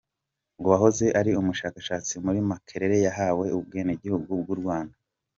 Uwahoze ari umushakashatsi muri Makerere yahawe ubwenegihugu bw’ u Rwanda.